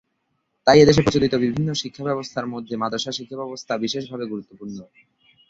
তাই এদেশে প্রচলিত বিভিন্ন শিক্ষাব্যবস্থার মধ্যে মাদরাসা শিক্ষাব্যবস্থা বিশেষভাবে গুরুত্বপূর্ণ।